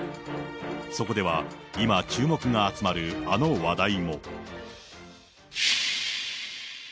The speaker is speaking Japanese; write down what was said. そこでは、今注目が集まるあの話題も。